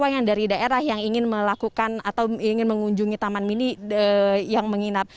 yang dari daerah yang ingin melakukan atau ingin mengunjungi taman mini yang menginap